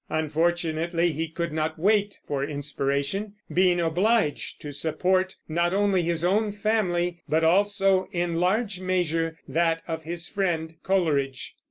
Unfortunately he could not wait for inspiration, being obliged to support not only his own family but also, in large measure, that of his friend Coleridge.